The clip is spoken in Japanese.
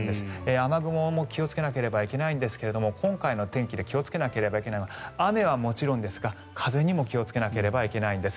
雨雲も気をつけなければいけないんですが今回の天気で気をつけなければいけないのが雨はもちろんですが風にも気をつけなければいけないんです。